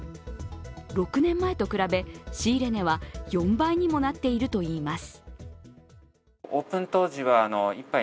６年前と比べ仕入れ値は４倍にもなっているといいます。